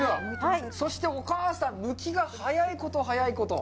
そして、お母さん、むきが速いこと、速いこと！